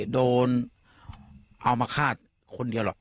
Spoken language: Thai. โดนเอามาฆ่าคนเดียวหรอก